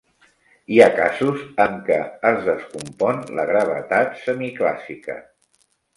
Hi ha casos en què es descompon la gravetat semiclàssica.